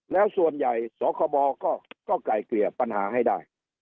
แล้วส่วนใหญ่สคบก็ไกลเกลี่ยปัญหาให้ได้